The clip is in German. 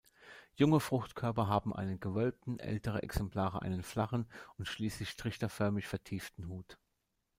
Junge Fruchtkörper haben einen gewölbten, ältere Exemplare einen flachen und schließlich trichterförmig vertieften Hut.